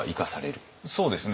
そうですね。